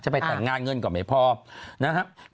จะไปแต่งงานเงินกับไหมพ่อ